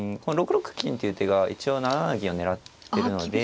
６六金っていう手が一応７七銀を狙ってるので。